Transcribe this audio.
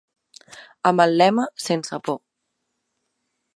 Amb el lema Sense por.